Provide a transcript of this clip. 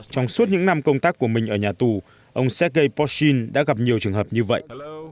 trong suốt những năm công tác của mình ở nhà tù ông sergei postin đã gặp nhiều trường hợp như vậy